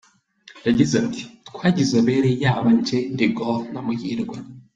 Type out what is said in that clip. Yagize ati “Twagizwe abere yaba njye, De Gaulle na Muhirwa.